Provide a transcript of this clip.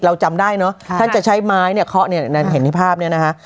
เราจำได้นะท่านจะใช้ไม้เคาะนั่นเห็นที่ภาพนี้นะคะ